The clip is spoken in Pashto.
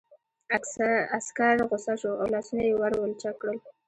عسکر غوسه شو او لاسونه یې ور ولچک کړل